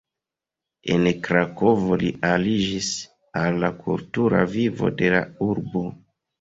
En Krakovo li aliĝis al la kultura vivo de la urbo.